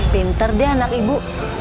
pinter dia anak ibu